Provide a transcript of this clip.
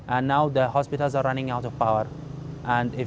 anda tahu apa yang akan terjadi